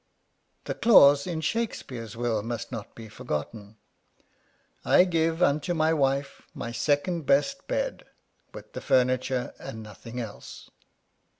The clause in Shakespeare's will must not be forgotten : I gyve unto my wief, my second best bed, with the furniture, and nothing else.